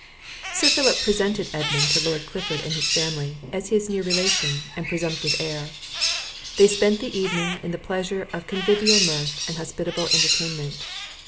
Sir Philip presented Edmund to Lord Clifford and his family, as his near relation and presumptive heir; They spent the evening in the pleasures of convivial mirth and hospitable entertainment.